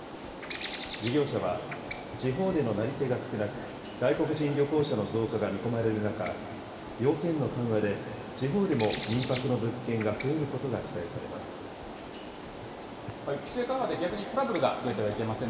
事業者は、地方でのなり手が少なく、外国人旅行者の増加が見込まれる中、要件の緩和で地方でも民泊の物件が増えることが期待されます。